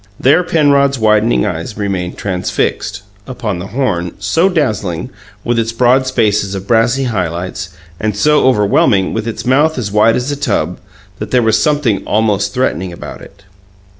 There Penrod's widening eyes remained transfixed upon the horn, so dazzling, with its broad spaces of brassy highlights, and so overwhelming, with its mouth as wide as a tub; that there was something almost threatening about it.